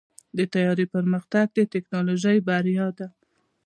د طیارې پرمختګ د ټیکنالوژۍ بریا ده.